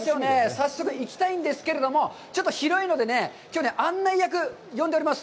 早速行きたいんですけれども、ちょっと広いのでね、案内役、呼んでおります。